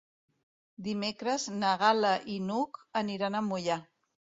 Dimecres na Gal·la i n'Hug aniran a Moià.